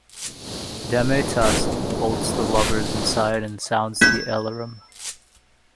Dametas bolts the lovers inside and sounds the alarum.